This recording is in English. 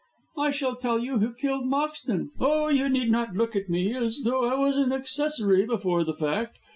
"I shall tell you who killed Moxton. Oh, you need not look at me as though I was an accessory before the fact.